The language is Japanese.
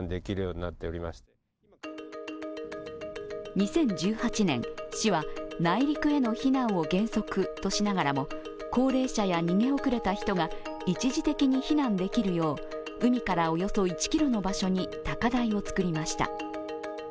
２０１８年、市は内陸への避難を原則としながらも、高齢者や逃げ遅れた人が一時的に避難できるよう海からおよそ１ｋｍの場所に高台を造りました。